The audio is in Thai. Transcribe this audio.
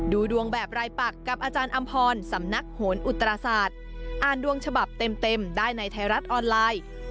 ดูดวงแบบรายปักกับอาจารย์อำพรสำนักโหนอุตราศาสตร์อ่านดวงฉบับเต็มได้ในไทยรัฐออนไลน์